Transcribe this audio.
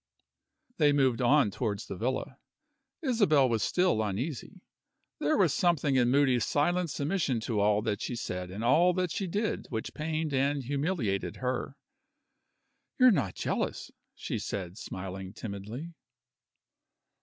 They moved on towards the villa. Isabel was still uneasy. There was something in Moody's silent submission to all that she said and all that she did which pained and humiliated her. "You're not jealous?" she said, smiling timidly.